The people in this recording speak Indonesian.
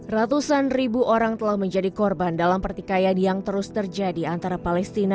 ratusan ribu orang telah menjadi korban dalam pertikaian yang terus terjadi antara palestina